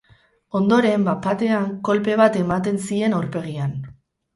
Ondoren, bat-batean, kolpe bat ematen zien aurpegian.